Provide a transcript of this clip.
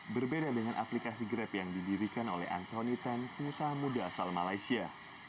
berbeda dengan aplikasi grab yang didirikan oleh anthony tan pengusaha muda asal malaysia